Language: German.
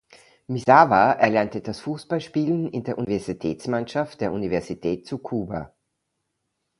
Misawa erlernte das Fußballspielen in der Universitätsmannschaft der Universität Tsukuba.